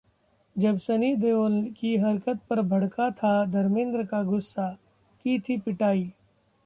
जब सनी देओल की हरकत पर भड़का था धर्मेंद्र का गुस्सा, की थी पिटाई